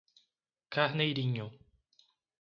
Carneirinho